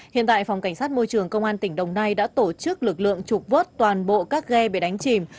hiện tại phòng cảnh sát môi trường công an tỉnh đồng nai đã tổ chức lực lượng trục vớt toàn bộ các ghe bị đánh chìm